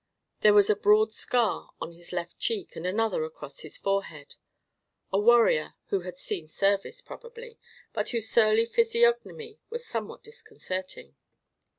There was a broad scar on his left cheek and another across his forehead. A warrior who had seen service, probably, but whose surly physiognomy was somewhat disconcerting.